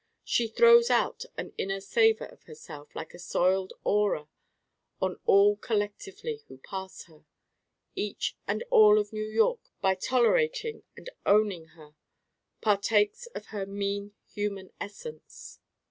She throws out an inner savor of herself like a soiled aura on all collectively who pass her. Each and all of New York by tolerating and owning her partakes of her mean human essence.